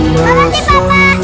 apa sih bapak